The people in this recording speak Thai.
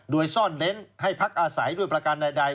โดยซ่อนเน้นให้พักอาศัยด้วยประการใด